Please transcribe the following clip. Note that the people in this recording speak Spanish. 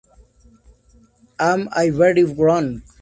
Am I Very Wrong?